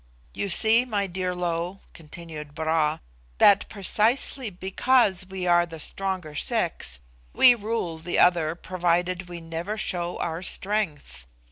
You see, my dear Lo," continued Bra, "that precisely because we are the stronger sex, we rule the other provided we never show our strength.